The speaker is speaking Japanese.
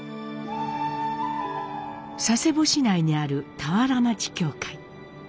佐世保市内にある俵町教会。